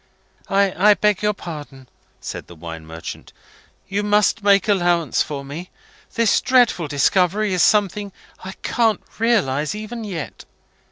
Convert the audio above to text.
"I beg your pardon," said the wine merchant. "You must make allowance for me. This dreadful discovery is something I can't realise even yet.